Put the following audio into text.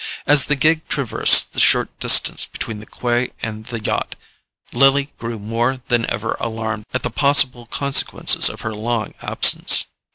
As the gig traversed the short distance between the quay and the yacht, Lily grew more than ever alarmed at the possible consequences of her long absence.